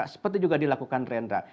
seperti juga dilakukan rendra